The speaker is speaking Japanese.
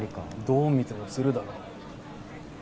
どう見ても鶴だろ。